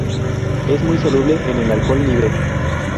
Es muy soluble en el alcohol libre.